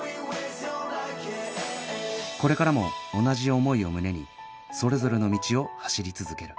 これからも同じ思いを胸にそれぞれの道を走り続ける